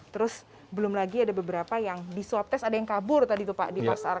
terus belum lagi ada beberapa yang di swab test ada yang kabur tadi tuh pak di pasar